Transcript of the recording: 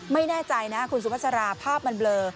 ไม่แน่ใจนะคะคุณสุภาษาราผ้าบันเบลอ